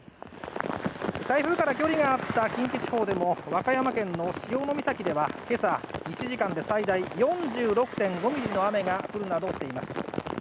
台風から距離があった近畿地方でも和歌山県の潮岬では今朝、１時間で最大４６．５ミリの雨が降るなどしています。